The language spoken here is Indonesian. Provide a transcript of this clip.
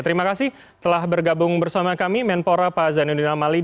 terima kasih telah bergabung bersama kami menpora pak zainuddin amali